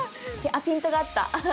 あっピントが合った。